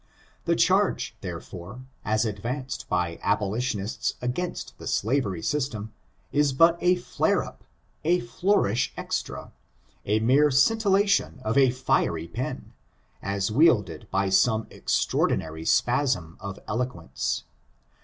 The charge, therefore^ as advanced by abolitionists against the slavery sys tem, is but a flare up — a flourish extra, a mere scin* FORTUNES; OF THE NEGRO RACE. 347 tillation of a fiery pen, as wielded by some extraor dinary spasm of eloquence.